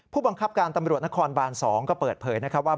ผู้บังคับการตำรวจนครบาน๒ก็เปิดเผยนะครับว่า